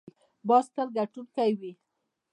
باز تل ګټونکی وي